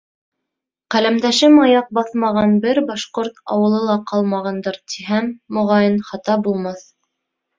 Ҡәләмдәшем аяҡ баҫмаған бер башҡорт ауылы ла ҡалмағандыр, тиһәм, моғайын, хата булмаҫ.